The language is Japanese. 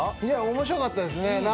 面白かったですね。